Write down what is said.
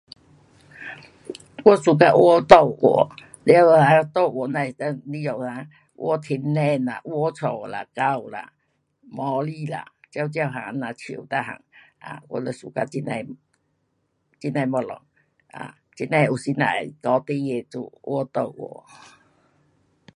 我 suka 画图画，完哈，图画咱能够里下啊画天顶咯，画家啦，狗啦，猫咪啦，各各样这样树每样。啊，我就 suka 这样的，这样的东西。啊，这样的有时咱会教孩儿做画图画。